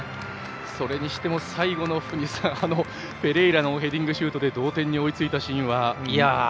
それにしても最後のペレイラのヘディングシュートで同点に追いついたシーンはね。